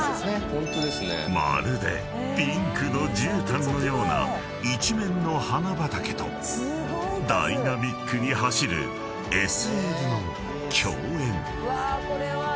［まるでピンクの絨毯のような一面の花畑とダイナミックに走るＳＬの共演］